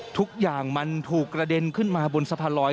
ทุกอย่างมันถูกกระเด็นขึ้นมาบนสะพานลอย